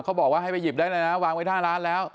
เขาบอกว่าให้ไปหยิบได้เลยนะวางไว้หน้าร้านแล้ว